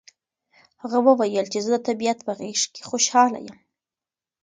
هغه وویل چې زه د طبیعت په غېږ کې خوشحاله یم.